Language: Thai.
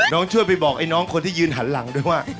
น้องเชิญไปบอกน้องคนที่ยืนหันหลังด้วยว่า